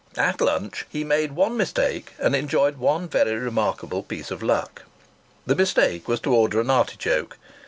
At lunch he made one mistake and enjoyed one very remarkable piece of luck. The mistake was to order an artichoke.